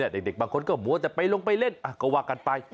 เด็กบางคนก็มัวแต่ไปลงไปเล่นก็ว่ากันไป